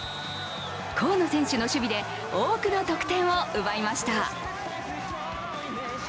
河野選手の守備で多くの得点を奪いました。